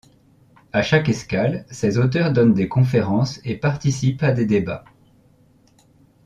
À chaque escale, ces auteurs donnent des conférences et participent à des débats.